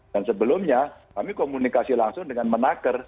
dan sebelumnya kami komunikasi langsung dengan menaker